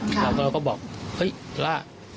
แล้วเราก็บอกเฮ้ยล่า